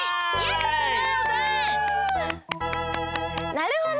なるほど！